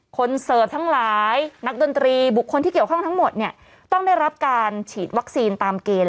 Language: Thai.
เสิร์ฟทั้งหลายนักดนตรีบุคคลที่เกี่ยวข้องทั้งหมดเนี่ยต้องได้รับการฉีดวัคซีนตามเกณฑ์